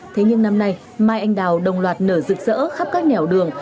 thế nhưng năm nay mai anh đào đồng loạt nở rực rỡ khắp các nẻo đường